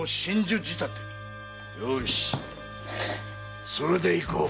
よしそれでいこう。